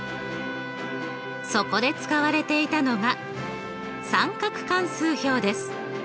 そこで使われていたのが三角関数表です。